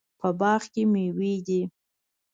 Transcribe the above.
په باغ کې میوې دي